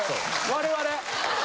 我々。